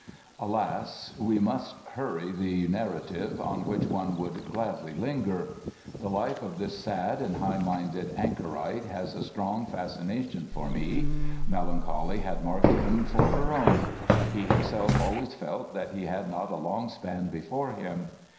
Alas, we must hurry the narrative, on which one would gladly linger. The life of this sad and high minded anchorite has a strong fascination for me. Melancholy had marked him for her own: he himself always felt that he had not a long span before him.